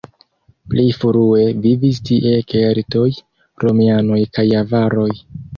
Pli frue vivis tie keltoj, romianoj kaj avaroj.